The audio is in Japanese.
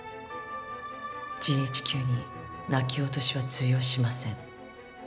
ＧＨＱに泣き落としは通用しません。